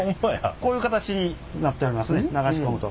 こういう形になっておりますね流し込むと。